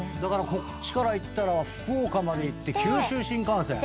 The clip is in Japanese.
こっちから行ったら福岡まで行って九州新幹線。